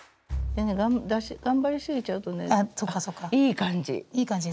でね頑張りすぎちゃうとねいい感じ。